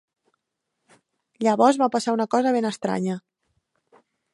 Llavors va passar una cosa ben estranya.